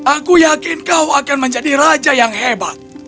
aku yakin kau akan menjadi raja yang hebat